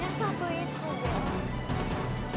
jangan yang satu itu bel